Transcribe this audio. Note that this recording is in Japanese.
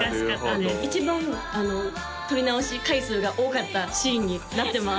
なるほど一番撮り直し回数が多かったシーンになってます